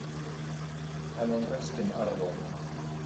Hän on riskin arvoinen.